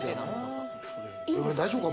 大丈夫か？